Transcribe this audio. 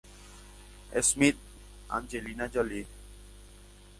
Smith", Angelina Jolie.